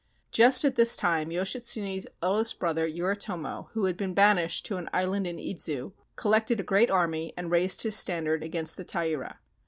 Just at this time Yoshitsune's eldest brother, Yori tomo, who had been banished to an island in Idzu, col lected a great army and raised his standard against the Taira.